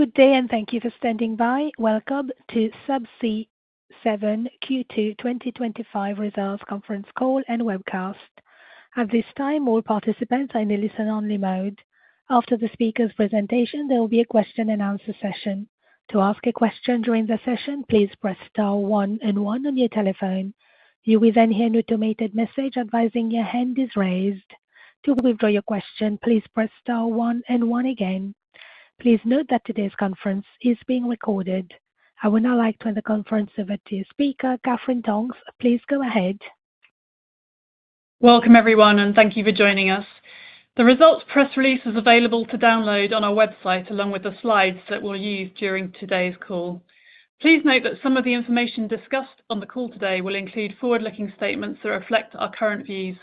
Good day and thank you for standing by. Welcome to Subsea 7 Q2 2025 results conference call and webcast. At this time, all participants are in a listen-only mode. After the speaker's presentation, there will be a question and answer session. To ask a question during the session, please press star one and one on your telephone. You will then hear an automated message advising your hand is raised. To withdraw your question, please press star one and one again. Please note that today's conference is being recorded. I would now like to hand the conference over to your speaker, Katherine Tonks. Please go ahead. Welcome, everyone, and thank you for joining us. The results press release is available to download on our website, along with the slides that we'll use during today's call. Please note that some of the information discussed on the call today will include forward-looking statements that reflect our current views.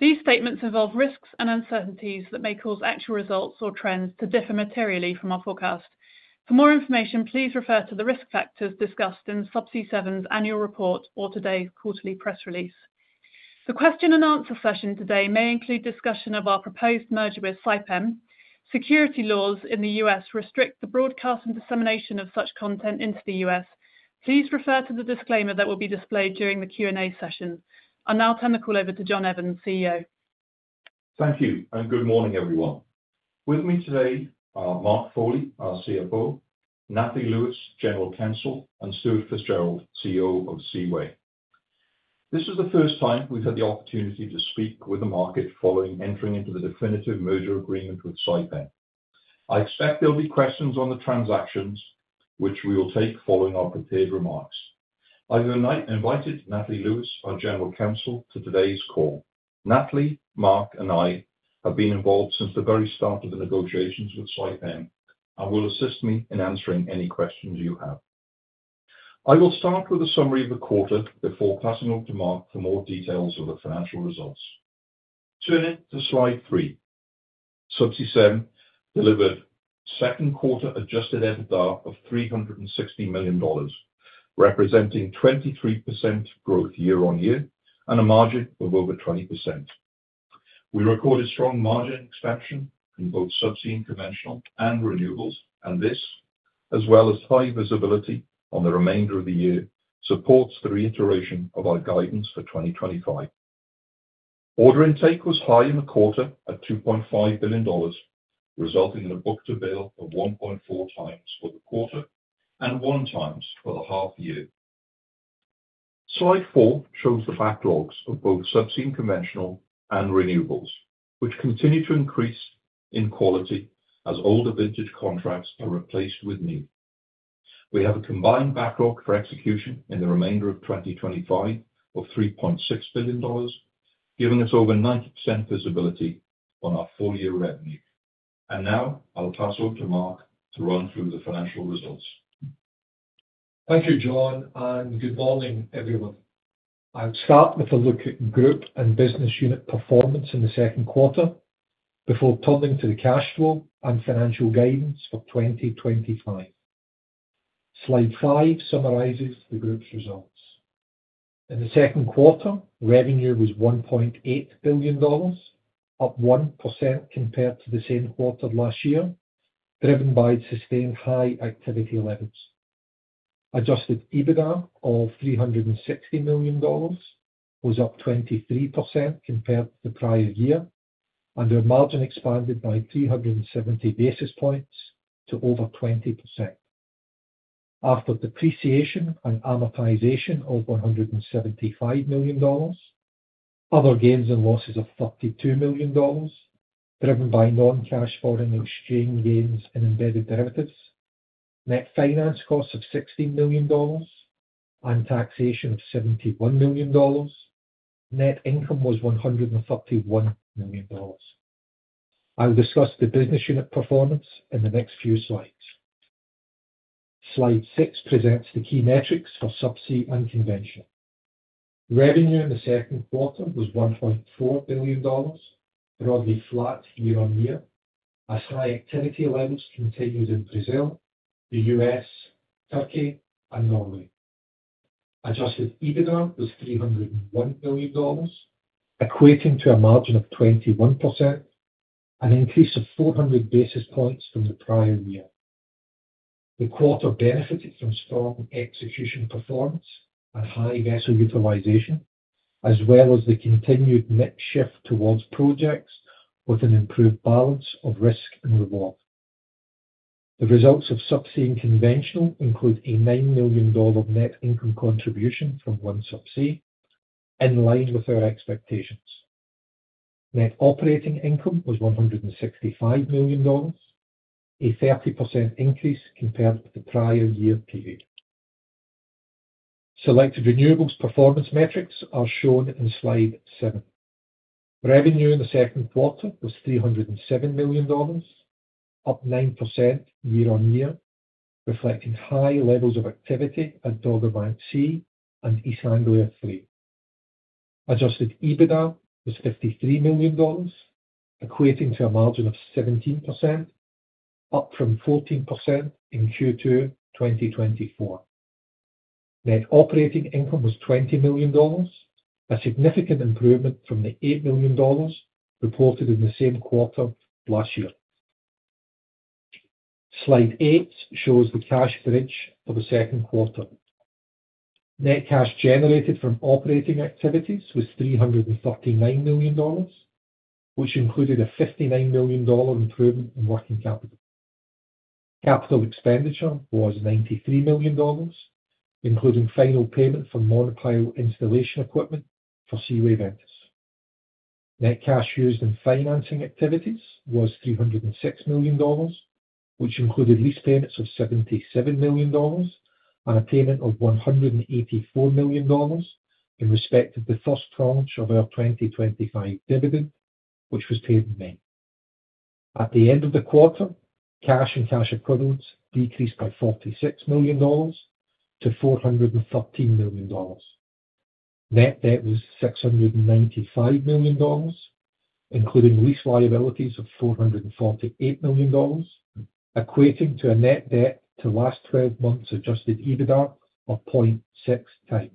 These statements involve risks and uncertainties that may cause actual results or trends to differ materially from our forecast. For more information, please refer to the risk factors discussed in Subsea 7's annual report or today's quarterly press release. The question and answer session today may include discussion of our proposed merger with Saipem. Security laws in the U.S. restrict the broadcast and dissemination of such content into the U.S. Please refer to the disclaimer that will be displayed during the Q&A session. I'll now turn the call over to John Evans, CEO. Thank you, and good morning, everyone. With me today are Mark Foley, our CFO, Nathalie Louys, General Counsel, and Stuart Fitzgerald, CEO of SeaWay 7. This is the first time we've had the opportunity to speak with the market following entering into the definitive merger agreement with Saipem. I expect there will be questions on the transactions, which we will take following our prepared remarks. I've invited Nathalie Louys, our General Counsel, to today's call. Nathalie, Mark, and I have been involved since the very start of the negotiations with Saipem and will assist me in answering any questions you have. I will start with a summary of the quarter before passing over to Mark for more details of the financial results. Turning to slide three, Subsea 7 delivered a second-quarter adjusted EBITDA of $360 million, representing 23% growth year-on-year and a margin of over 20%. We recorded strong margin expansion in both Subsea and Conventional and Renewables, and this, as well as high visibility on the remainder of the year, supports the reiteration of our guidance for 2025. Order intake was high in the quarter at $2.5 billion, resulting in a book-to-bill of 1.4x for the quarter and 1x for the half year. Slide four shows the backlogs of both Subsea and Conventional and Renewables, which continue to increase in quality as older vintage contracts are replaced with new. We have a combined backlog for execution in the remainder of 2025 of $3.6 billion, giving us over 90% visibility on our full-year revenue. Now I'll pass over to Mark to run through the financial results. Thank you, John, and good morning, everyone. I'll start with a look at group and business unit performance in the second quarter before turning to the cash flow and financial guidance for 2025. Slide five summarizes the group's results. In the second quarter, revenue was $1.8 billion, up 1% compared to the same quarter last year, driven by sustained high activity levels. Adjusted EBITDA of $360 million was up 23% compared to the prior year, and their margin expanded by 370 basis points to over 20%. After depreciation and amortization of $175 million, other gains and losses of $32 million, driven by non-cash foreign exchange gains and embedded derivatives, net finance costs of $16 million, and taxation of $71 million, net income was $131 million. I'll discuss the business unit performance in the next few slides. Slide six presents the key metrics for Subsea and Conventional. Revenue in the second quarter was $1.4 billion, broadly flat year-on-year, as high activity levels continued in Brazil, the U.S., Turkey, and Norway. Adjusted EBITDA was $301 million, equating to a margin of 21%, an increase of 400 basis points from the prior year. The quarter benefited from strong execution performance and high vessel utilization, as well as the continued net shift towards projects with an improved balance of risk and reward. The results of Subsea and Conventional include a $9 million net income contribution from OneSubsea, in line with our expectations. Net operating income was $165 million, a 30% increase compared with the prior year period. Selected Renewables performance metrics are shown in slide seven. Revenue in the second quarter was $307 million, up 9% year-on-year, reflecting high levels of activity at Dogger Bank C and East Anglia THREE. Adjusted EBITDA was $53 million, equating to a margin of 17%, up from 14% in Q2 2024. Net operating income was $20 million, a significant improvement from the $8 million reported in the same quarter last year. Slide eight shows the cash bridge of the second quarter. Net cash generated from operating activities was $339 million, which included a $59 million improvement in working capital. Capital expenditure was $93 million, including final payment for monopile installation equipment for SeaWay 7. Net cash used in financing activities was $306 million, which included lease payments of $77 million and a payment of $184 million in respect of the first tranche of our 2025 dividend, which was paid in May. At the end of the quarter, cash and cash equivalents decreased by $46 million to $413 million. Net debt was $695 million, including lease liabilities of $448 million, equating to a net debt to last 12 months' adjusted EBITDA of 0.6x.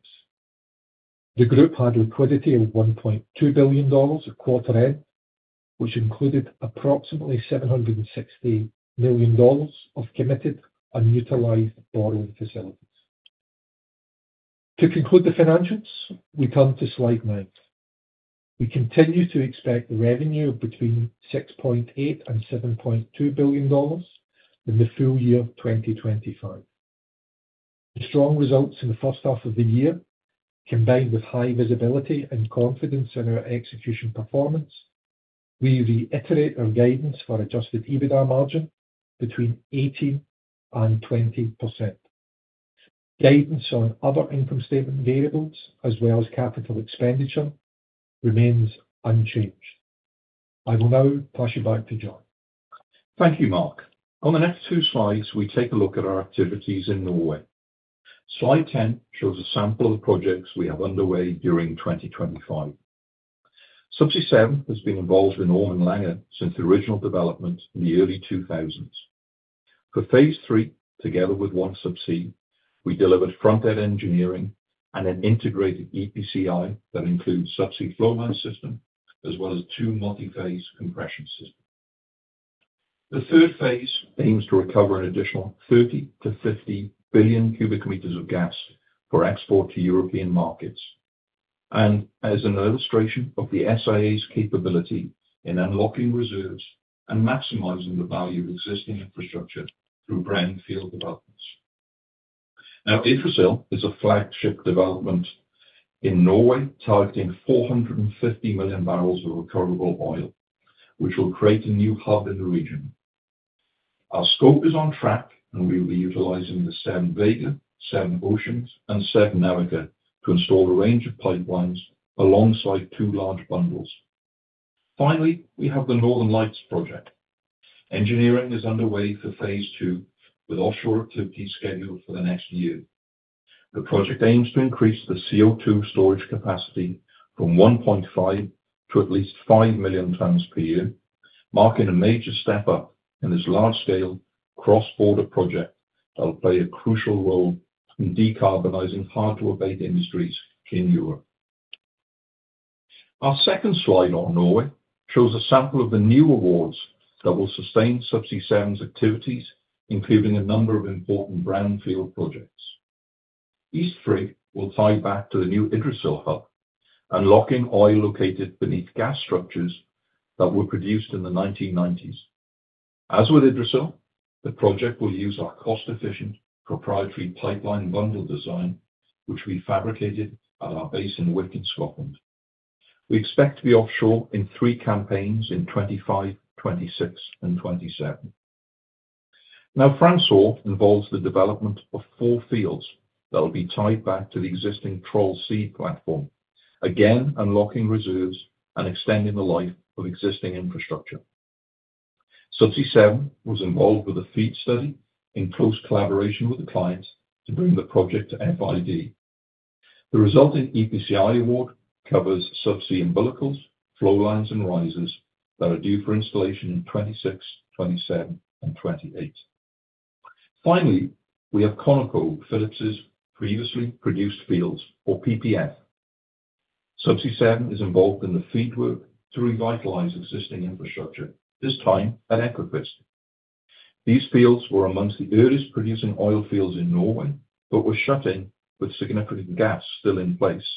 The group had liquidity of $1.2 billion at quarter end, which included approximately $760 million of committed unutilized borrowing facilities. To conclude the financials, we come to slide nine. We continue to expect revenue between $6.8 billion and $7.2 billion in the full year of 2025. The strong results in the first half of the year, combined with high visibility and confidence in our execution performance, we reiterate our guidance for adjusted EBITDA margin between 18% and 20%. Guidance on other income statement variables, as well as capital expenditure, remains unchanged. I will now pass you back to John. Thank you, Mark. On the next two slides, we take a look at our activities in Norway. Slide 10 shows a sample of the projects we have underway during 2025. Subsea 7 has been involved in all and longer since the original development in the early 2000s. For phase III, together with OneSubsea, we delivered front-end engineering and an integrated EPCI that includes a subsea flowline system, as well as two multiphase compression systems. The third phase aims to recover an additional 30-50 billion cubic meters of gas for export to European markets, and as an illustration of Subsea 7's capability in unlocking reserves and maximizing the value of existing infrastructure through brownfield developments. Now, Yggdrasil is a flagship development in Norway, targeting 450 million bbl of recoverable oil, which will create a new hub in the region. Our scope is on track, and we'll be utilizing the Seven Vega, Seven Oceans, and Seven AmErikas to install a range of pipelines alongside two large bundles. Finally, we have the Northern Lights project. Engineering is underway for phase two, with offshore activity scheduled for the next year. The project aims to increase the CO2 storage capacity from 1.5 million to at least 5 million tons per year, marking a major step up in this large-scale cross-border project that will play a crucial role in decarbonizing hard-to-abate industries in Europe. Our second slide on Norway shows a sample of the new awards that will sustain Subsea 7's activities, including a number of important brownfield projects. East 3 will tie back to the new [Iddissil] hub, unlocking oil located beneath gas structures that were produced in the 1990s. As with [Iddissil], the project will use our cost-efficient proprietary pipeline bundle design, which we fabricated at our base in Wick, Scotland. We expect to be offshore in three campaigns in 2025, 2026, and 2027. Now, François involves the development of four fields that will be tied back to the existing Troll C platform, again unlocking reserves and extending the life of existing infrastructure. Subsea 7 was involved with a FEED study in close collaboration with the client to bring the project to FID. The resulting EPCI award covers subsea umbilicals, flowlines, and risers that are due for installation in 2026, 2027, and 2028. Finally, we have ConocoPhillips' previously produced fields, or PPF. Subsea 7 is involved in the FEED work to revitalize existing infrastructure, this time at Ekofisk. These fields were amongst the earliest producing oil fields in Norway, but were shut in with significant gas still in place.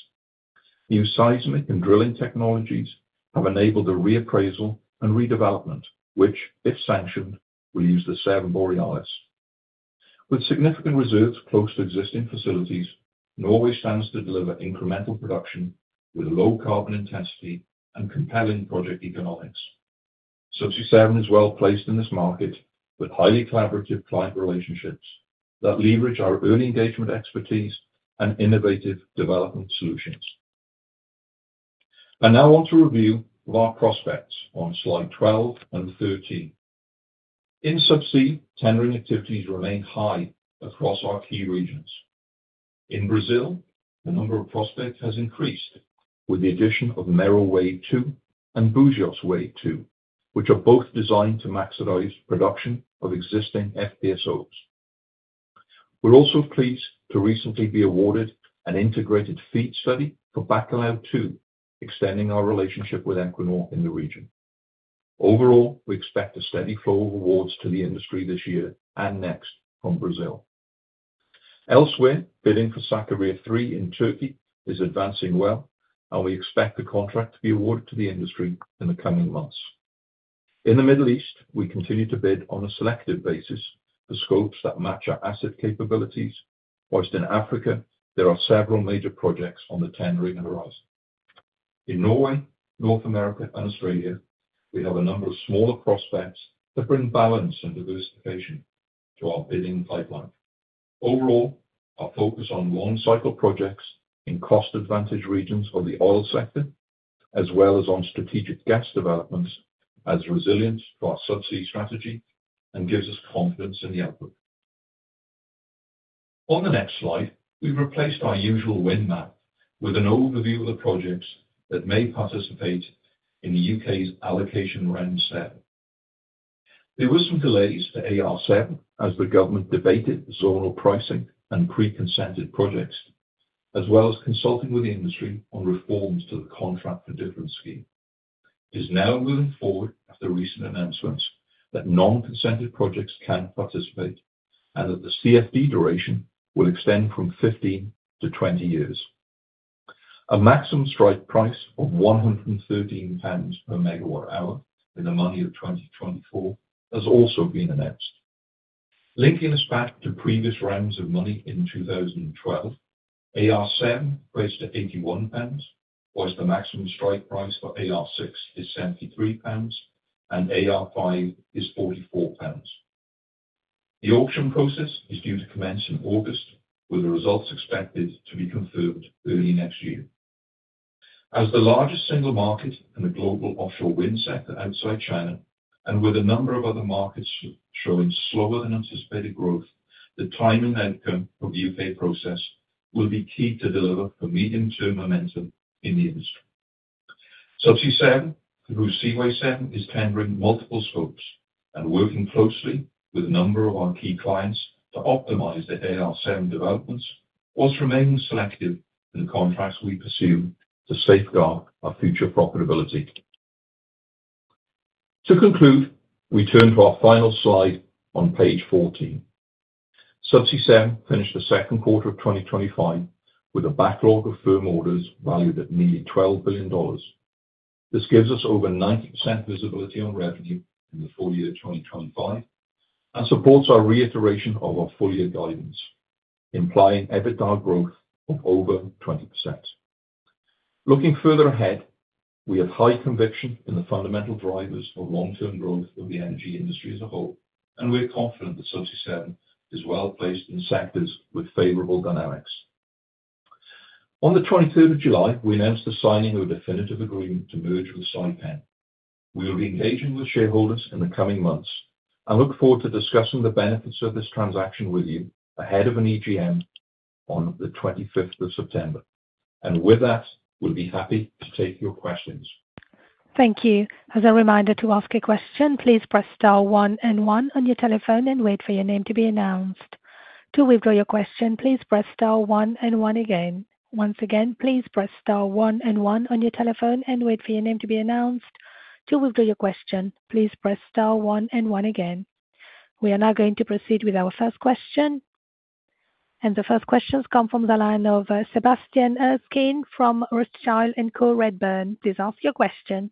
New seismic and drilling technologies have enabled the reappraisal and redevelopment, which, if sanctioned, will use the Seven Borealis. With significant reserves close to existing facilities, Norway stands to deliver incremental production with a low carbon intensity and compelling project economics. Subsea 7 is well placed in this market with highly collaborative client relationships that leverage our early engagement expertise and innovative development solutions. I now want to review our prospects on slide 12 and 13. In Subsea, tendering activities remain high across our key regions. In Brazil, the number of prospects has increased with the addition of Mero Wave 2 and Búzios Wave 2, which are both designed to maximize production of existing FPSOs. We're also pleased to recently be awarded an integrated FEED study for Bacalhau 2, extending our relationship with Equinor in the region. Overall, we expect a steady flow of awards to the industry this year and next from Brazil. Elsewhere, bidding for Sakarya 3 in Turkey is advancing well, and we expect the contract to be awarded to the industry in the coming months. In the Middle East, we continue to bid on a selective basis for scopes that match our asset capabilities. Whilst in Africa, there are several major projects on the tendering horizon. In Norway, North AmErika, and Australia, we have a number of smaller prospects that bring balance and diversification to our bidding pipeline. Overall, our focus on long-cycle projects in cost-advantaged regions of the oil sector, as well as on strategic gas developments, is resilient to our Subsea strategy and gives us confidence in the output. On the next slide, we've replaced our usual win map with an overview of the projects that may participate in the U.K.'s Allocation Round 7. There were some delays to AR7 as the government debated zonal pricing and pre-consented projects, as well as consulting with the industry on reforms to the Contract for Difference scheme. It is now moving forward after recent announcements that non-consented projects can participate and that the CFD duration will extend from 15-20 years. A maximum strike price of 113 pounds per MWh in the money of 2024 has also been announced. Linking us back to previous rounds of money in 2012, AR7 equates to 81 pounds, whilst the maximum strike price for AR6 is 73 pounds and AR5 is 44 pounds. The auction process is due to commence in August, with the results expected to be confirmed early next year. As the largest single market in the global offshore wind sector outside China, and with a number of other markets showing slower than anticipated growth, the timing outcome of the U.K. process will be key to deliver a medium-term momentum in the industry. Subsea 7, through SeaWay 7, is tendering multiple scopes and working closely with a number of our key clients to optimize their AR7 CFD allocations, whilst remaining selective in the contracts we pursue to safeguard our future profitability. To conclude, we turn to our final slide on page 14. Subsea 7 finished the second quarter of 2025 with a backlog of firm orders valued at nearly $12 billion. This gives us over 90% visibility on revenue in the full year 2025 and supports our reiteration of our full-year guidance, implying EBITDA growth of over 20%. Looking further ahead, we have high conviction in the fundamental drivers of long-term growth of the energy industry as a whole, and we're confident that Subsea 7 is well placed in sectors with favorable dynamics. On the 23rd of July, we announced the signing of a definitive agreement to merge with Saipem. We'll be engaging with shareholders in the coming months and look forward to discussing the benefits of this transaction with you ahead of an EGM on the 25th of September. With that, we'll be happy to take your questions. Thank you. As a reminder to ask a question, please press star one and one on your telephone and wait for your name to be announced. To withdraw your question, please press star one and one again. Once again, please press star one and one on your telephone and wait for your name to be announced. To withdraw your question, please press star one and one again. We are now going to proceed with our first question. The first question comes from the line of Sebastian Erskine from Rothschild & Co Redburn. Please ask your question.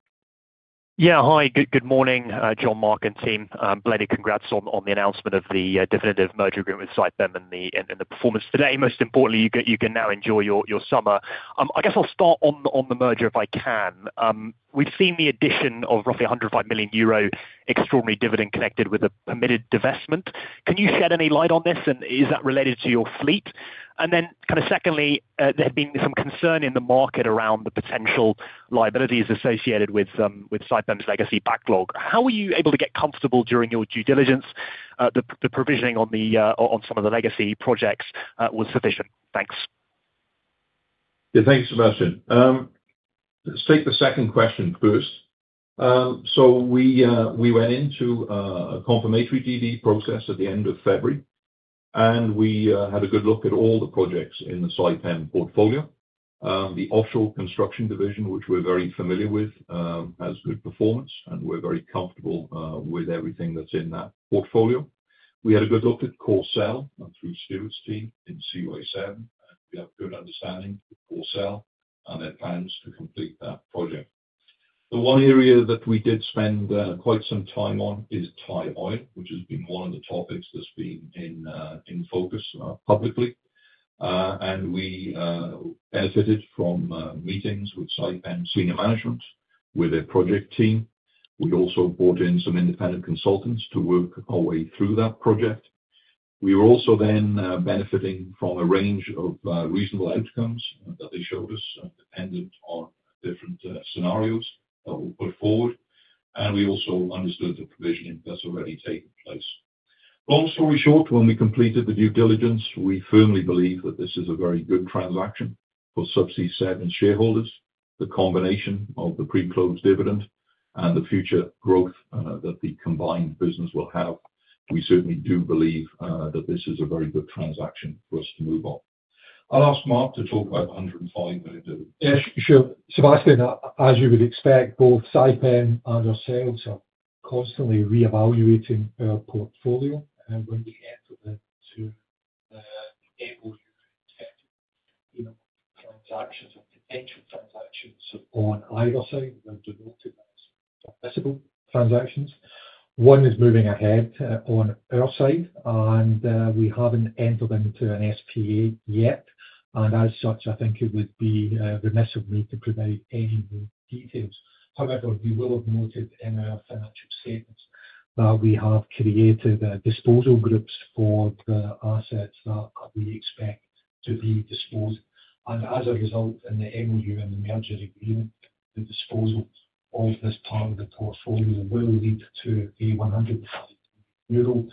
Yeah, hi. Good morning, John, Mark, and team. Bloody congrats on the announcement of the definitive merger agreement with Saipem and the performance today. Most importantly, you can now enjoy your summer. I guess I'll start on the merger if I can. We've seen the addition of roughly 105 million euro extraordinary dividend connected with a permitted divestment. Can you shed any light on this? Is that related to your fleet? Secondly, there had been some concern in the market around the potential liabilities associated with Saipem's legacy backlog. How were you able to get comfortable during your due diligence that the provisioning on some of the legacy projects was sufficient? Thanks. Yeah, thanks, Sebastian. Let's take the second question first. We went into a confirmatory due diligence process at the end of February, and we had a good look at all the projects in the Saipem portfolio. The offshore construction division, which we're very familiar with, has good performance, and we're very comfortable with everything that's in that portfolio. We had a good look at Corcel, through Stuart's team in SeaWay 7, and we have a good understanding of Corcel and their plans to complete that project. The one area that we did spend quite some time on is the Thyra Oil project, which has been one of the topics that's been in focus publicly. We benefited from meetings with Saipem's senior management, with their project team. We also brought in some independent consultants to work our way through that project. We were also then benefiting from a range of reasonable outcomes that they showed us dependent on different scenarios that were put forward. We also understood the provisioning that's already taken place. Long story short, when we completed the due diligence, we firmly believe that this is a very good transaction for Subsea 7's shareholders. The combination of the pre-close dividend and the future growth that the combined business will have, we certainly do believe that this is a very good transaction for us to move on. I'll ask Mark to talk about the 105 million dividend. Yeah, sure. Sebastian, as you would expect, both Saipem and ourselves are constantly reevaluating our portfolio. When we enter the two-year and 10-year transactions or potential transactions on either side, we're denoting them as permissible transactions. One is moving ahead on our side, and we haven't entered into an SPA yet. I think it would be remiss of me to provide any more details. However, you will have noted in our financial statements that we have created disposal groups for the assets that we expect to be disposed. As a result, in the MOU and the merger agreement, the disposal of this part of the portfolio will lead to a 105 million euro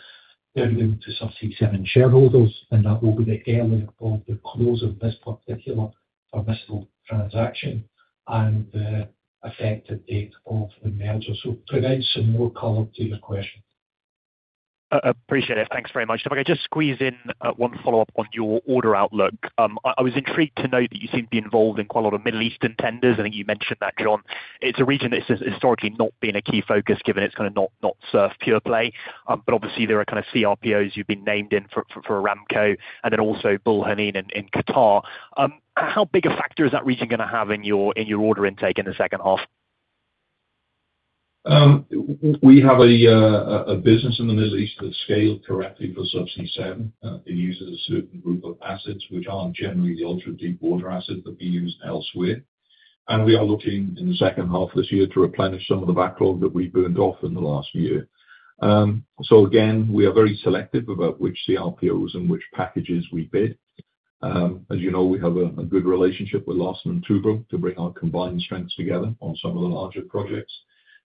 dividend to Subsea 7 shareholders. That will be the earlier of the close of this particular permissible transaction and the effective date of the merger. That should provide some more color to your questions. Appreciate it. Thanks very much. If I could just squeeze in one follow-up on your order outlook. I was intrigued to know that you seem to be involved in quite a lot of Middle Eastern tenders. I think you mentioned that, John. It's a region that's historically not been a key focus given it's kind of not Surf pureplay. Obviously, there are kind of CRPOs you've been named in for Aramco and then also Bul Hanine in Qatar. How big a factor is that region going to have in your order intake in the second half? We have a business in the Middle East that's scaled correctly for Subsea 7. It uses a certain group of assets, which aren't generally the ultra-deepwater assets that we use elsewhere. We are looking in the second half of this year to replenish some of the backlog that we burned off in the last year. We are very selective about which CRPOs and which packages we bid. As you know, we have a good relationship with Larsen & Toubro to bring our combined strengths together on some of the larger projects.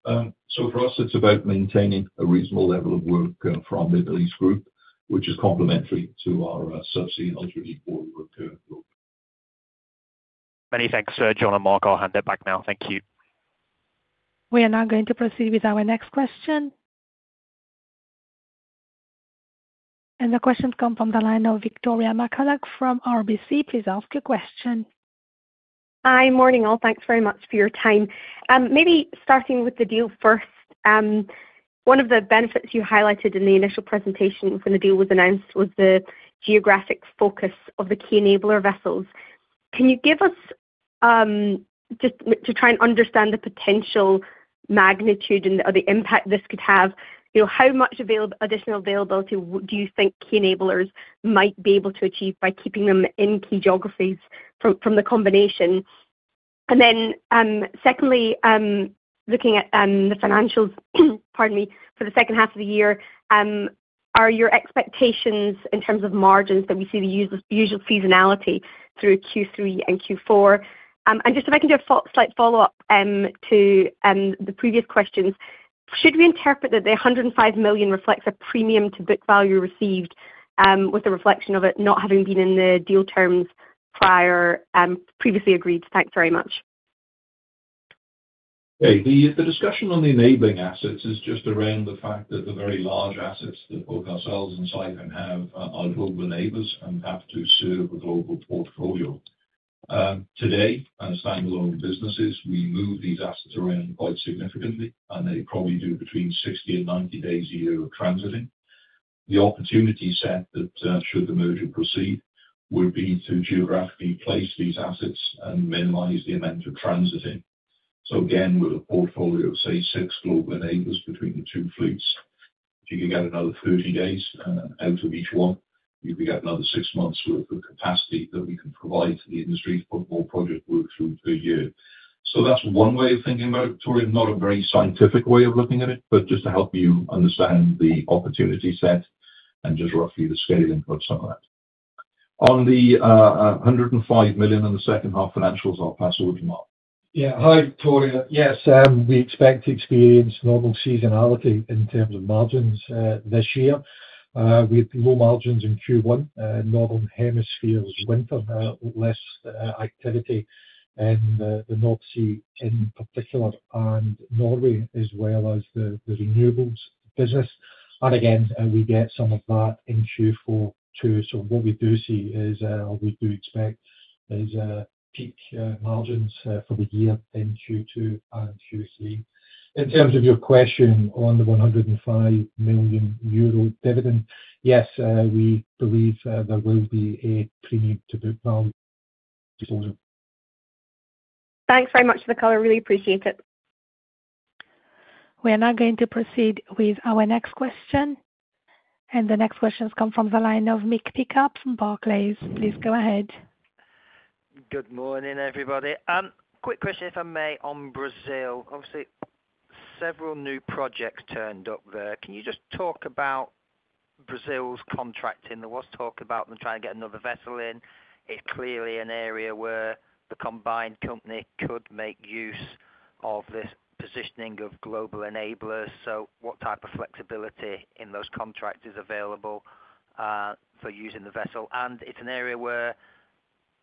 For us, it's about maintaining a reasonable level of work for our Middle East group, which is complementary to our Subsea and Conventional and ultra-deepwater work group. Many thanks, John and Mark. I'll hand it back now. Thank you. We are now going to proceed with our next question. The questions come from the line of Victoria McCulloch from RBC Capital Markets. Please ask your question. Hi. Morning all. Thanks very much for your time. Maybe starting with the deal first, one of the benefits you highlighted in the initial presentation when the deal was announced was the geographic focus of the key enabler vessels. Can you give us, just to try and understand the potential magnitude and the impact this could have? You know, how much additional availability do you think key enablers might be able to achieve by keeping them in key geographies from the combination? Secondly, looking at the financials, pardon me, for the second half of the year, are your expectations in terms of margins that we see the usual seasonality through Q3 and Q4? If I can do a slight follow-up to the previous questions, should we interpret that the 105 million reflects a premium to book value received with a reflection of it not having been in the deal terms prior previously agreed? Thanks very much. Yeah. The discussion on the enabling assets is just around the fact that the very large assets that both ourselves and Saipem have are global enablers and have to serve a global portfolio. Today, as standalone businesses, we move these assets around quite significantly, and they probably do between 60 and 90 days a year of transiting. The opportunity set that, should the merger proceed, would be to geographically place these assets and minimize the amount of transiting. With a portfolio of, say, six global enablers between the two fleets, if you could get another 30 days out of each one, you could get another six months' worth of capacity that we can provide to the industry to put more project work through per year. That's one way of thinking about it, Victoria. Not a very scientific way of looking at it, but just to help you understand the opportunity set and just roughly the scaling for some of that. On the 105 million in the second half financials, I'll pass over to Mark. Yeah. Hi, Victoria. Yes, we expect to experience normal seasonality in terms of margins this year. We have low margins in Q1, Northern Hemisphere's winter, less activity in the North Sea in particular, and Norway, as well as the renewables business. We get some of that in Q4 too. What we do see is, or we do expect, is peak margins for the year in Q2 and Q3. In terms of your question on the 105 million euro dividend, yes, we believe there will be a premium to book value disposal. Thanks very much for the color. Really appreciate it. We are now going to proceed with our next question. The next questions come from the line of Michael Brennan Pickup from Barclays Bank PLC. Please go ahead. Good morning, everybody. Quick question, if I may, on Brazil. Obviously, several new projects turned up there. Can you just talk about Brazil's contracting? There was talk about them trying to get another vessel in. It's clearly an area where the combined company could make use of this positioning of global enablers. What type of flexibility in those contracts is available for using the vessel? It's an area where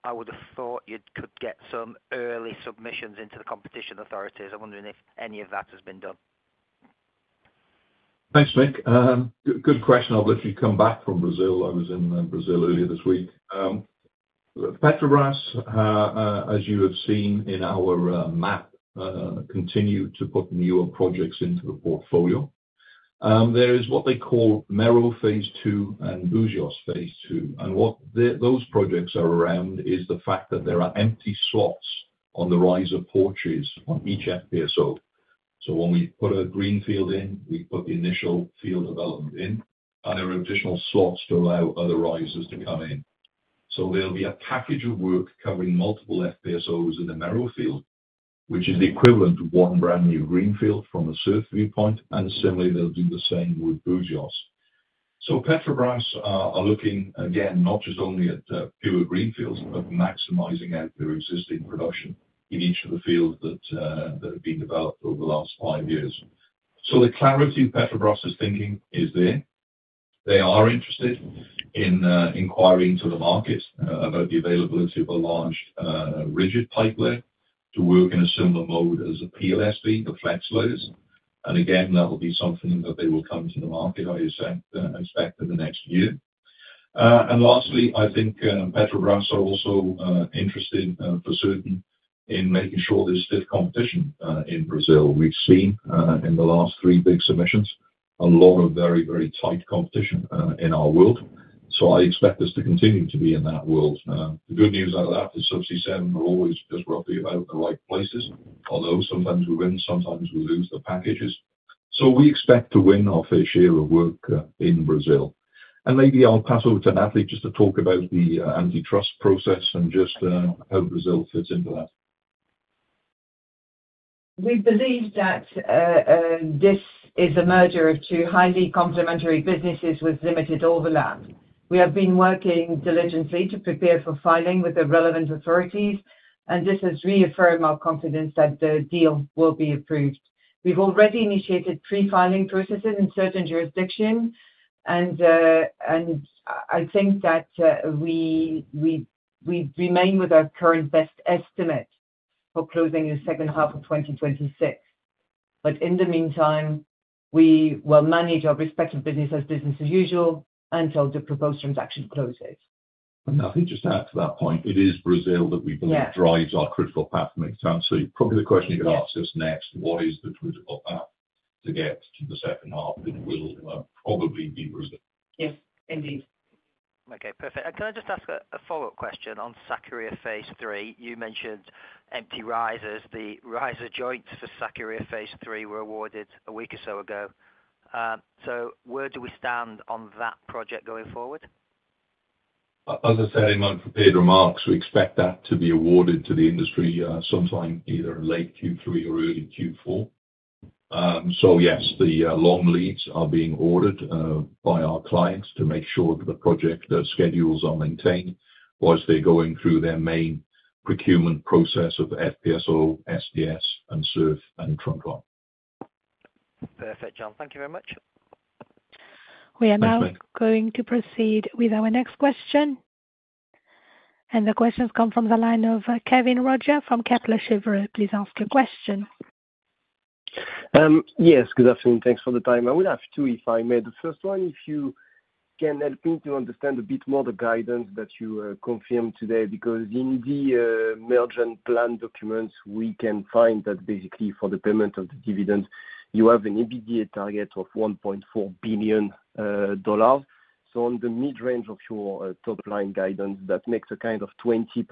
I would have thought you could get some early submissions into the competition authorities. I'm wondering if any of that has been done. Thanks, Mick. Good question. I'll let you come back from Brazil. I was in Brazil earlier this week. Petrobras, as you have seen in our map, continue to put newer projects into the portfolio. There is what they call Mero Phase 2 and Búzios Phase 2. What those projects are around is the fact that there are empty slots on the riser porches on each FPSO. When we put a greenfield in, we put the initial field development in, and there are additional slots to allow other risers to come in. There will be a package of work covering multiple FPSOs in the Mero field, which is the equivalent of one brand new greenfield from a SURF viewpoint. Similarly, they'll do the same with Búzios. Petrobras are looking, again, not just only at pure greenfields, but maximizing out their existing production in each of the fields that have been developed over the last five years. The clarity of Petrobras' thinking is there. They are interested in inquiring to the market about the availability of a large rigid pipeline to work in a similar mode as a PLSV, the flex layers. That will be something that they will come to the market, I expect, in the next year. Lastly, I think Petrobras are also interested, for certain, in making sure there's stiff competition in Brazil. We've seen in the last three big submissions a lot of very, very tight competition in our world. I expect us to continue to be in that world. The good news out of that is Subsea 7 are always just roughly about the right places, although sometimes we win, sometimes we lose the packages. We expect to win our fair share of work in Brazil. Maybe I'll pass over to Nathalie just to talk about the antitrust process and just how Brazil fits into that. We believe that this is a merger of two highly complementary businesses with limited overlap. We have been working diligently to prepare for filing with the relevant authorities, and this has reaffirmed our confidence that the deal will be approved. We've already initiated pre-filing processes in certain jurisdictions, and I think that we remain with our current best estimate for closing in the second half of 2026. In the meantime, we will manage our respective business as usual until the proposed transaction closes. I think just to add to that point, it is Brazil that we believe drives our critical path to make it out. Probably the question you're going to ask us next is what is the critical path to get to the second half? It will probably be Brazil. Yes, indeed. Okay. Perfect. Can I just ask a follow-up question on Sakarya Phase 3? You mentioned empty risers. The riser joints for Sakarya Phase 3 were awarded a week or so ago. Where do we stand on that project going forward? As I said in my prepared remarks, we expect that to be awarded to the industry sometime either in late Q3 or early Q4. Yes, the long leads are being ordered by our clients to make sure that the project schedules are maintained while they're going through their main procurement process of FPSO, SDS, SURF, and trunkline. Perfect, John. Thank you very much. We are now going to proceed with our next question. The questions come from the line of Kévin Roger from Kepler Cheuvreux. Please ask your question. Yes. Good afternoon. Thanks for the time. I would have two, if I may. The first one, if you can help me to understand a bit more the guidance that you confirmed today, because in the merger and plan documents, we can find that basically for the payment of the dividend, you have an EBITDA target of $1.4 billion. On the mid-range of your top-line guidance, that makes a kind of 20%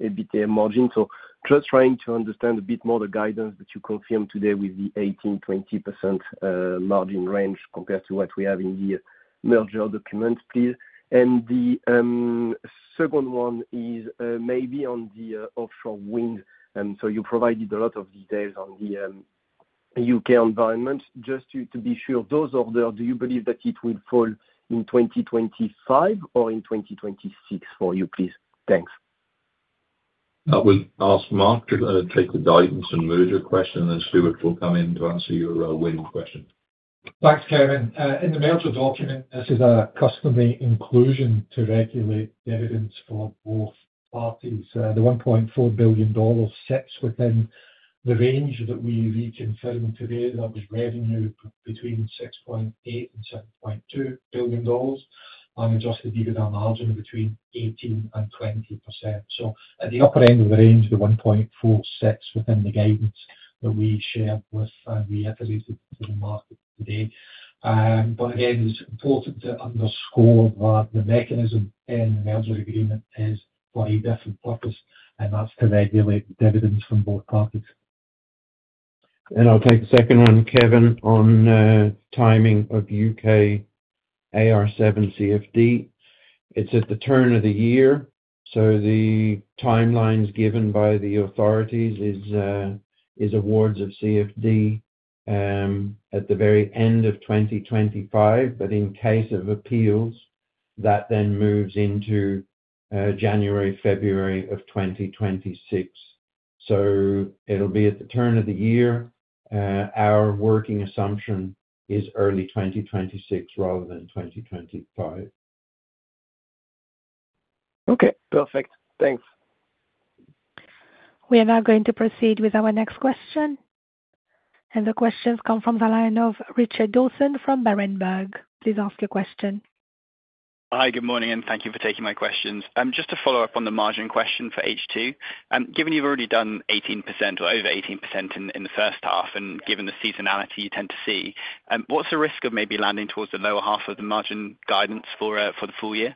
EBITDA margin. I am just trying to understand a bit more the guidance that you confirmed today with the 18-20% margin range compared to what we have in the merger documents, please. The second one is maybe on the offshore wind. You provided a lot of details on the U.K. environment. Just to be sure, those orders, do you believe that it will fall in 2025 or in 2026 for you, please? Thanks. I will ask Mark to take the guidance and merger question, and then Stuart will come in to answer your waiting question. Thanks, Kevin. In the merger document, this is a customary inclusion to regulate the evidence for both parties. The $1.4 billion sits within the range that we reconfirmed today that was revenue between $6.8 billion and $7.2 billion and adjusted EBITDA margin between 18% and 20%. At the upper end of the range, the $1.4 billion is within the guidance that we shared with and we updated to the market today. Again, it's important to underscore that the mechanism in the merger agreement is for a different purpose, and that's to regulate the dividends from both parties. I'll take the second one, Kevin, on the timing of U.K. AR7 CFD. It's at the turn of the year. The timelines given by the authorities are awards of CFD at the very end of 2025. In case of appeals, that then moves into January/February of 2026. It'll be at the turn of the year. Our working assumption is early 2026 rather than 2025. Okay. Perfect. Thanks. We are now going to proceed with our next question. The questions come from the line of Richard Dawson from Berenberg. Please ask your question. Hi. Good morning, and thank you for taking my questions. Just to follow up on the margin question for H2, given you've already done 18% or over 18% in the first half and given the seasonality you tend to see, what's the risk of maybe landing towards the lower half of the margin guidance for the full year?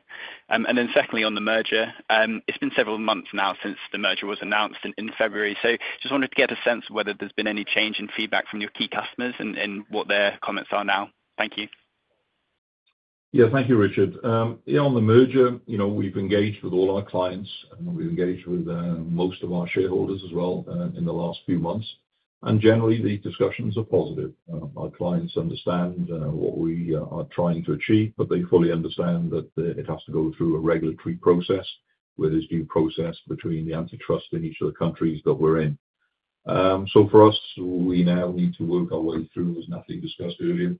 Secondly, on the merger, it's been several months now since the merger was announced in February. I just wanted to get a sense of whether there's been any change in feedback from your key customers and what their comments are now. Thank you. Yeah. Thank you, Richard. Yeah, on the merger, we've engaged with all our clients. We've engaged with most of our shareholders as well in the last few months. Generally, the discussions are positive. Our clients understand what we are trying to achieve, but they fully understand that it has to go through a regulatory process where there's due process between the antitrust in each of the countries that we're in. For us, we now need to work our way through, as Nathalie discussed earlier.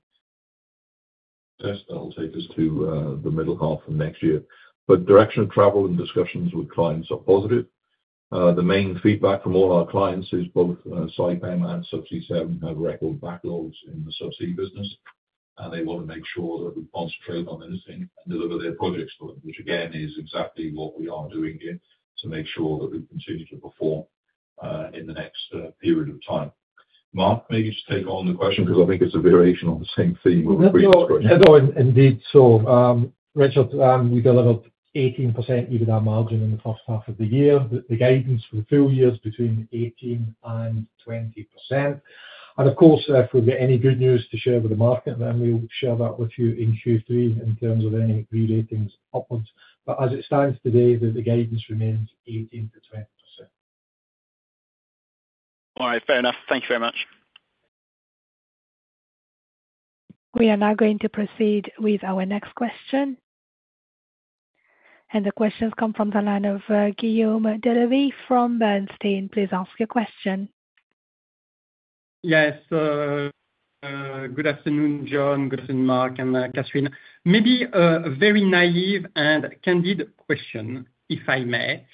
That'll take us to the middle half of next year. Direction of travel and discussions with clients are positive. The main feedback from all our clients is both Saipem and Subsea 7 have record backlogs in the subsea business, and they want to make sure that we concentrate on anything and deliver their projects for them, which, again, is exactly what we are doing here to make sure that we continue to perform in the next period of time. Mark, maybe you should take on the question because I think it's a variation on the same theme of a previous question. Yeah. No, indeed. So, Richard, we delivered 18% EBITDA margin in the first half of the year. The guidance for the full year is between 18% and 20%. Of course, if we get any good news to share with the market, then we'll share that with you in Q3 in terms of any reratings upwards. As it stands today, the guidance remains 18%-20%. All right. Fair enough. Thank you very much. We are now going to proceed with our next question. The questions come from the line of Guillaume Delaby from Bernstein. Please ask your question. Yes. Good afternoon, John. Good afternoon, Mark, and Katherine. Maybe a very naive and candid question, if I may.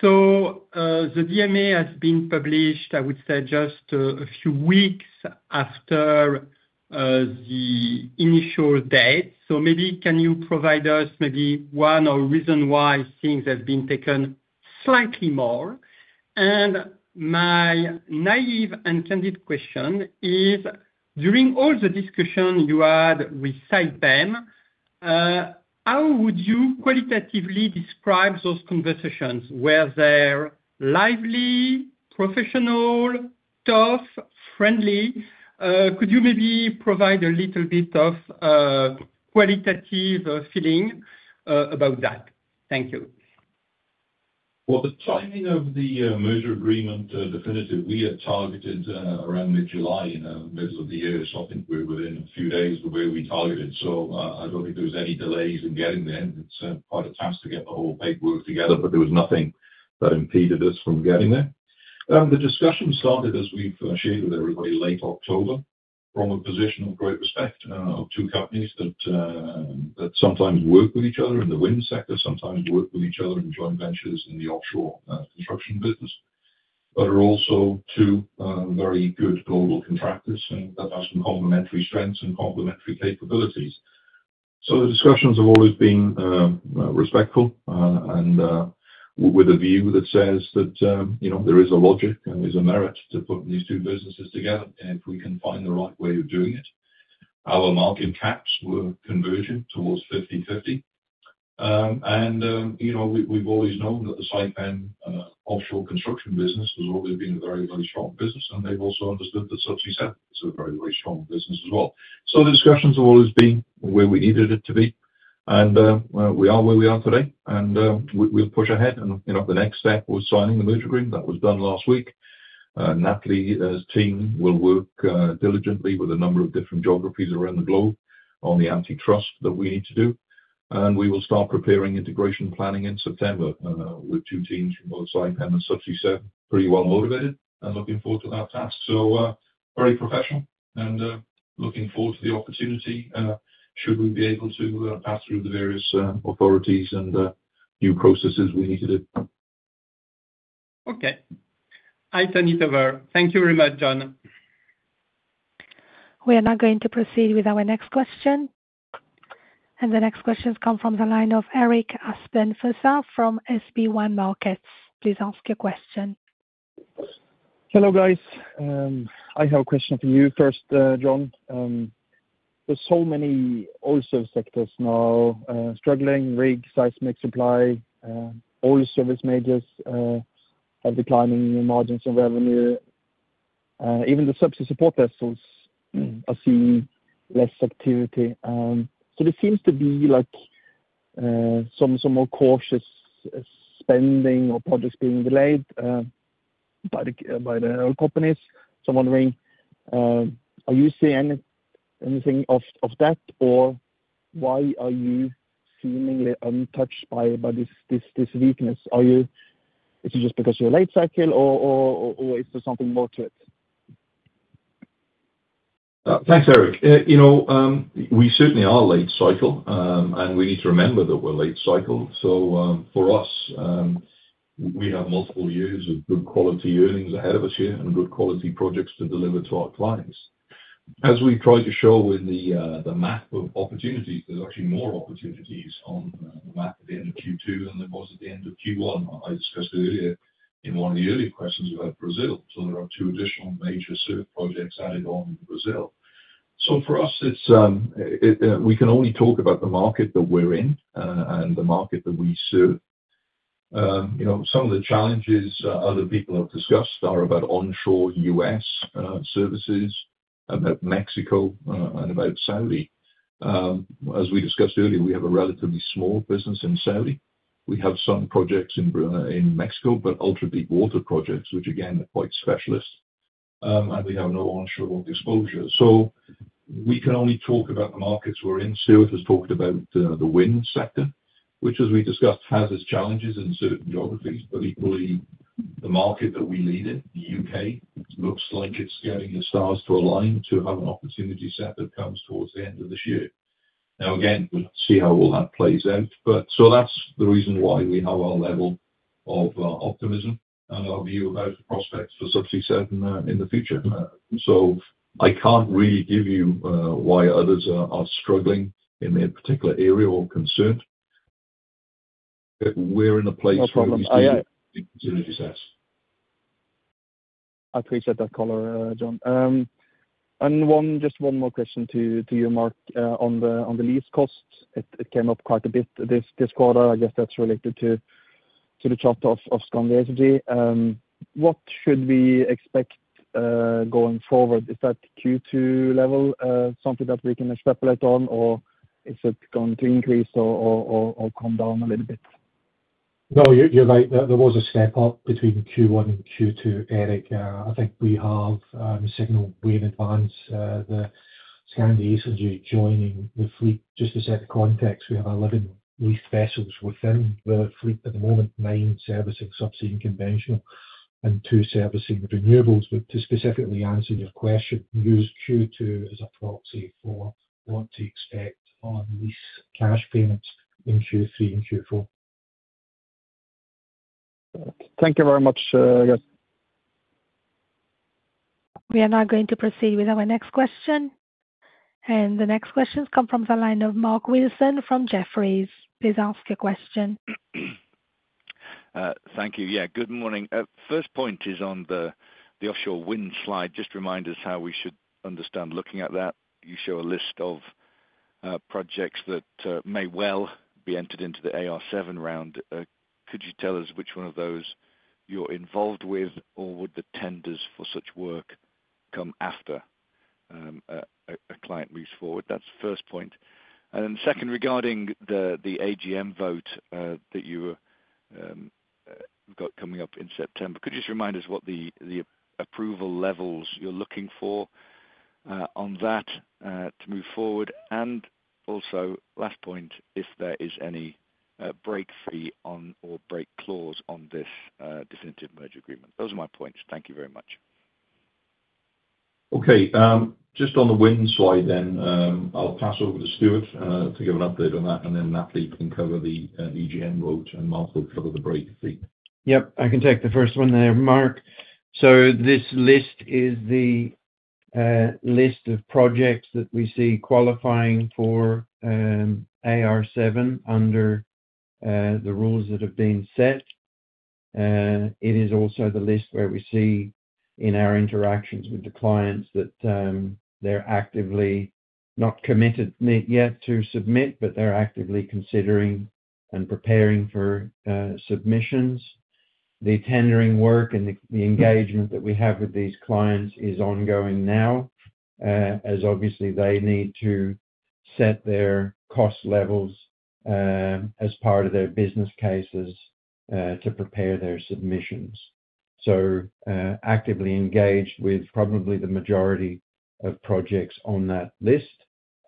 The DMA has been published, I would say, just a few weeks after the initial date. Can you provide us maybe one or a reason why things have been taken slightly more? My naive and candid question is, during all the discussion you had with Saipem, how would you qualitatively describe those conversations? Were they lively, professional, tough, friendly? Could you maybe provide a little bit of a qualitative feeling about that? Thank you. The timing of the merger agreement definitive, we are targeted around mid-July, in the middle of the year. I think we're within a few days of where we targeted. I don't think there were any delays in getting there. It's quite a task to get the whole paperwork together, but there was nothing that impeded us from getting there. The discussion started, as we've shared with everybody, late October from a position of great respect of two companies that sometimes work with each other in the wind sector, sometimes work with each other in joint ventures in the offshore construction business, but are also two very good global contractors and that have some complementary strengths and complementary capabilities. The discussions have always been respectful and with a view that says that there is a logic and there's a merit to putting these two businesses together if we can find the right way of doing it. Our market caps were converging towards 50/50. You know we've always known that the Saipem offshore construction business has always been a very, very strong business, and they've also understood that Subsea 7 is a very, very strong business as well. The discussions have always been where we needed it to be, and we are where we are today. We'll push ahead. You know the next step was signing the merger agreement. That was done last week. Nathalie's team will work diligently with a number of different geographies around the globe on the antitrust that we need to do. We will start preparing integration planning in September with two teams from both Saipem and Subsea 7, pretty well motivated and looking forward to that task. Very professional and looking forward to the opportunity should we be able to pass through the various authorities and new processes we need to do. Okay, I turn it over. Thank you very much, John. We are now going to proceed with our next question. The next questions come from the line of Erik Aspen Fosså from SB1 Markets. Please ask your question. Hello, guys. I have a question for you first, John. There are so many oil service sectors now struggling: rig, seismic supply, oil service majors have declining margins and revenue. Even the subsea support vessels are seeing less activity. There seems to be some more cautious spending or projects being delayed by the oil companies. I'm wondering, are you seeing anything of that, or why are you seemingly untouched by this weakness? Is it just because you're a late cycle, or is there something more to it? Thanks, Erik. You know we certainly are late cycle, and we need to remember that we're late cycle. For us, we have multiple years of good quality earnings ahead of us here and good quality projects to deliver to our clients. As we tried to show in the map of opportunities, there's actually more opportunities on the map at the end of Q2 than there was at the end of Q1. I discussed earlier in one of the earlier questions about Brazil. There are two additional major SURF projects added on in Brazil. For us, we can only talk about the market that we're in and the market that we serve. Some of the challenges other people have discussed are about onshore U.S. services, about Mexico, and about Saudi. As we discussed earlier, we have a relatively small business in Saudi. We have some projects in Mexico, but ultra-deepwater projects, which again are quite specialist, and we have no onshore exposure. We can only talk about the markets we're in. Stuart has talked about the wind sector, which, as we discussed, has its challenges in certain geographies. Equally, the market that we lead in, the U.K., looks like it's getting the stars to align to have an opportunity set that comes towards the end of this year. Now, we'll see how all that plays out. That's the reason why we have our level of optimism and our view about the prospects for Subsea 7 in the future. I can't really give you why others are struggling in their particular area or concerned. We're in a place where we see opportunity sets. I appreciate that color, John. Just one more question to you, Mark. On the lease costs, it came up quite a bit this quarter. I guess that's related to the charter of Scan Energy. What should we expect going forward? Is that Q2 level something that we can extrapolate on, or is it going to increase or come down a little bit? No, you're right. There was a step up between Q1 and Q2, Erik. I think we have a signal way in advance. The Scan Energy joining the fleet, just to set the context, we have 11 leased vessels within the fleet at the moment, nine servicing Subsea and Conventional, and two servicing Renewables. To specifically answer your question, use Q2 as a proxy for what to expect on lease cash payments in Q3 and Q4. Thank you very much, guys. We are now going to proceed with our next question. The next questions come from the line of Mark Wilson from Jefferies. Please ask your question. Thank you. Good morning. First point is on the offshore wind slide. Just remind us how we should understand looking at that. You show a list of projects that may well be entered into the AR7 CFD allocations round. Could you tell us which one of those you're involved with, or would the tenders for such work come after a client moves forward? That's the first point. The second, regarding the AGM vote that you've got coming up in September, could you just remind us what the approval levels you're looking for on that to move forward? Also, last point, if there is any break fee or break clause on this definitive merger agreement. Those are my points. Thank you very much. Okay. Just on the wind slide, I'll pass over to Stuart to give an update on that. Nathalie can cover the AGM vote, and Mark will cover the break fee. Yep. I can take the first one there, Mark. This list is the list of projects that we see qualifying for AR7 under the rules that have been set. It is also the list where we see in our interactions with the clients that they're actively not committed yet to submit, but they're actively considering and preparing for submissions. The tendering work and the engagement that we have with these clients is ongoing now, as obviously they need to set their cost levels as part of their business cases to prepare their submissions. Actively engaged with probably the majority of projects on that list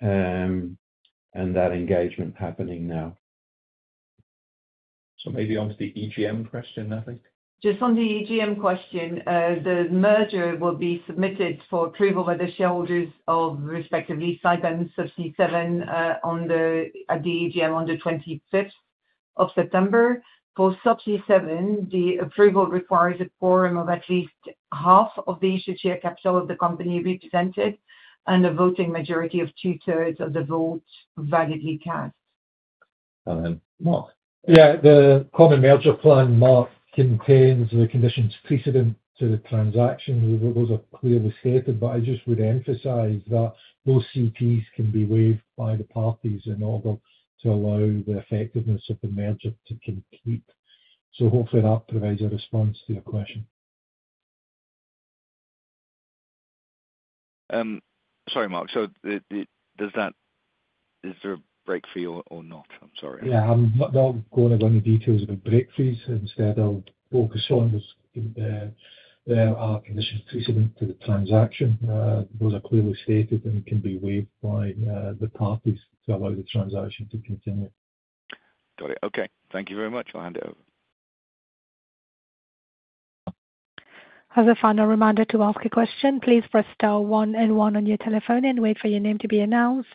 and that engagement happening now. Maybe onto the EGM question, Nathalie? Just on the AGM question, the merger will be submitted for approval by the shareholders of respectively Saipem, Subsea 7 at the AGM on the 25th of September. For Subsea 7, the approval requires a quorum of at least half of the issued share capital of the company represented and a voting majority of two-thirds of the vote validly cast. Mark. Yeah. The common merger plan, Mark, contains the conditions precedent to the transaction. The rules are clearly stated. I just would emphasize that those CPs can be waived by the parties in order to allow the effectiveness of the merger to complete. Hopefully, that provides a response to your question. Sorry, Mark. Is there a break fee or not? I'm sorry. I'm not going to go into details about break fees. Instead, I'll focus on just our conditions precedent to the transaction. Those are clearly stated and can be waived by the parties to allow the transaction to continue. Got it. Okay, thank you very much. I'll hand it over. As a final reminder to ask a question, please press star one and one on your telephone and wait for your name to be announced.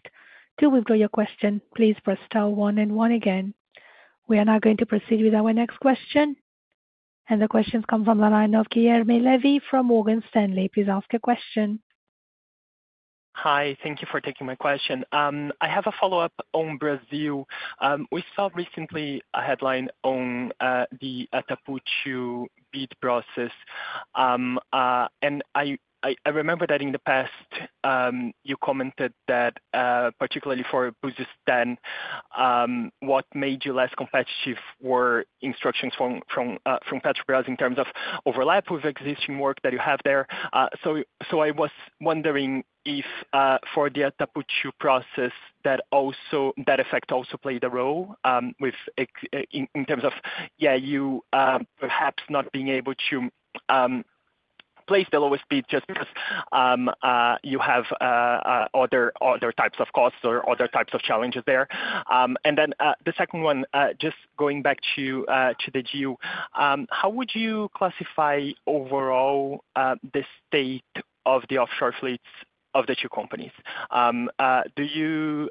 To withdraw your question, please press star one and one again. We are now going to proceed with our next question. The questions come from the line of Guilherme Levy from Morgan Stanley. Please ask your question. Hi. Thank you for taking my question. I have a follow-up on Brazil. We saw recently a headline on the Atapu bid process. I remember that in the past, you commented that particularly for Búzios 10, what made you less competitive were instructions from Petrobras in terms of overlap with existing work that you have there. I was wondering if for the Atapu process that effect also played a role in terms of you perhaps not being able to place the lowest bid just because you have other types of costs or other types of challenges there. The second one, just going back to the deal, how would you classify overall the state of the offshore fleets of the two companies? Do you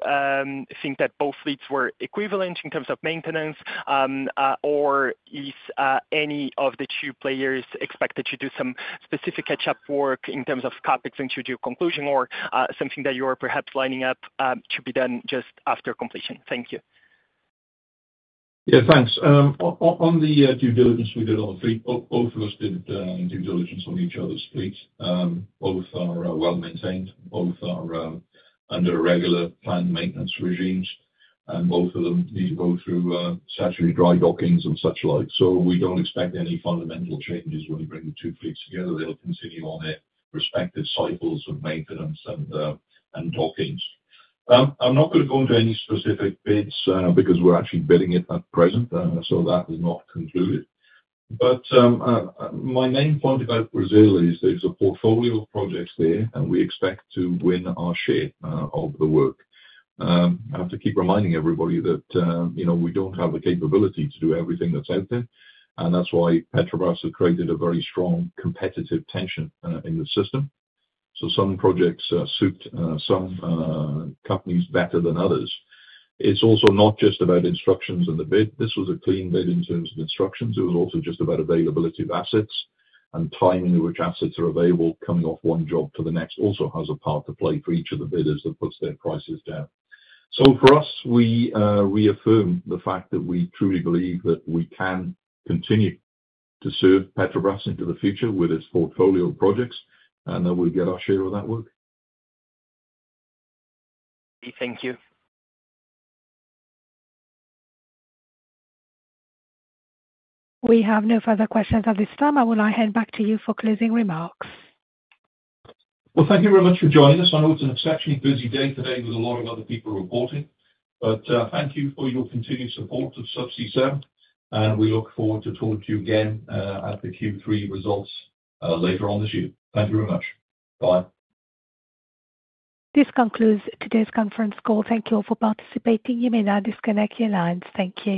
think that both fleets were equivalent in terms of maintenance, or is any of the two players expected to do some specific catch-up work in terms of CapEx and due diligence conclusion, or something that you are perhaps lining up to be done just after completion? Thank you. Yeah, thanks. On the due diligence we did on the fleet, both of us did due diligence on each other's fleets. Both are well maintained. Both are under a regular planned maintenance regime. Both of them need to go through statutory dry dockings and such like. We don't expect any fundamental changes when you bring the two fleets together. They'll continue on their respective cycles of maintenance and dockings. I'm not going to go into any specific bids because we're actually bidding it at present. That is not concluded. My main point about Brazil is there's a portfolio of projects there, and we expect to win our share of the work. I have to keep reminding everybody that we don't have the capability to do everything that's out there. That's why Petrobras has created a very strong competitive tension in the system. Some projects suit some companies better than others. It's also not just about instructions in the bid. This was a clean bid in terms of instructions. It was also just about availability of assets and timing in which assets are available. Coming off one job to the next also has a part to play for each of the bidders that puts their prices down. For us, we reaffirm the fact that we truly believe that we can continue to serve Petrobras into the future with its portfolio of projects and that we'll get our share of that work. Thank you. We have no further questions at this time. I will now hand back to you for closing remarks. Thank you very much for joining us. I know it's an exceptionally busy day today with a lot of other people reporting. Thank you for your continued support of Subsea 7, and we look forward to talking to you again at the Q3 results later on this year. Thank you very much. Bye. This concludes today's conference call. Thank you all for participating. You may now disconnect your lines. Thank you.